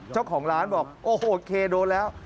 เจ้าของร้านบอกโอ้โหเคโดนแล้ว